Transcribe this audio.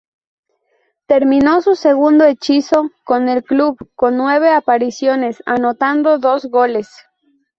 Terminó su segundo hechizo con el club con nueve apariciones, anotando dos goles.